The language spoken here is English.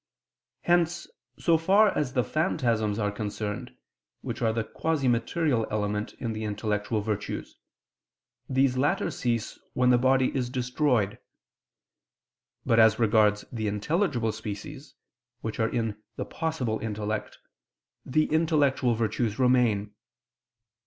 Hence, so far as the phantasms are concerned, which are the quasi material element in the intellectual virtues, these latter cease when the body is destroyed: but as regards the intelligible species, which are in the "possible" intellect, the intellectual virtues remain.